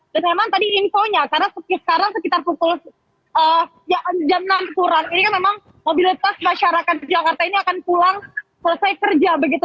dan memang tadi infonya karena sekarang sekitar pukul jam enam kurang ini kan memang mobilitas masyarakat jakarta ini akan pulang selesai kerja begitu